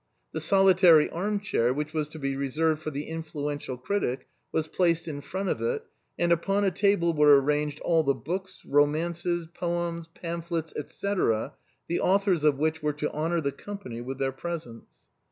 The solitary arm chair, which was to be reserved for the influencial critic, was placed in front of it, and upon a table were arranged all the books, romances, poems, pamphlets, etc., the authors of which were to honor the company with their presence.